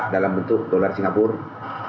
dalam bentuk dolar singapura